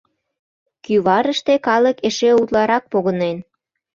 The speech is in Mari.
Кӱварыште калык эше утларак погынен.